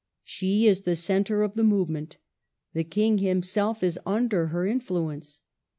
She is the centre of the movement; the King himself is under her in fluence.